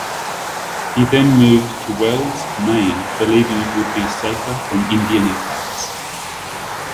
He then moved to Wells, Maine, believing it would be safer from Indian attacks.